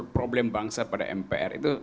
problem bangsa pada mpr itu